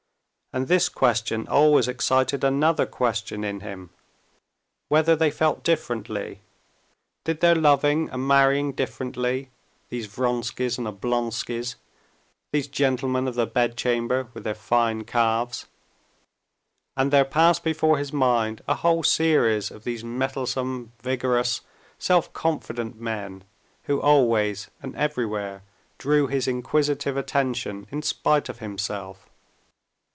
And this question always excited another question in him—whether they felt differently, did their loving and marrying differently, these Vronskys and Oblonskys ... these gentlemen of the bedchamber, with their fine calves. And there passed before his mind a whole series of these mettlesome, vigorous, self confident men, who always and everywhere drew his inquisitive attention in spite of himself.